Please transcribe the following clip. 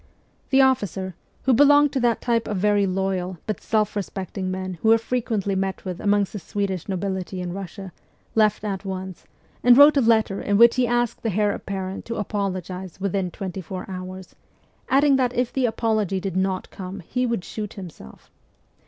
The officer, who belonged to that type of very loyal but self respecting men who are frequently met with amongst the Swedish nobility in Russia, left at once, and wrote a letter in which he asked the heir apparent to apologize within twenty four hours, adding that if the apology did not come he would shoot himself.